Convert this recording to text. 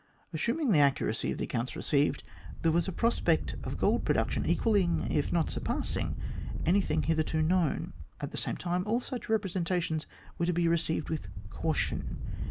Assuming the accuracy of the accounts received, there was a prospect of gold production equalling, if not surpassing, any thing hitherto known. At the same time, all such represen tations were to be received with caution.